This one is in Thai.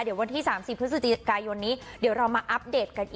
พออยากให้ดีแหละ